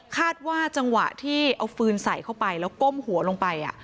คาดว่าจังหวะที่เอาฟืนใส่เข้าไปแล้วก้มหัวลงไป